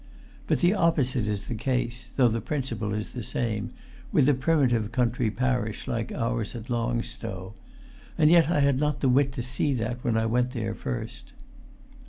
But the opposite is the case—though the principle is the same—with a primitive country parish like ours at Long Stow ... And yet I had not the wit to see that when I went there first."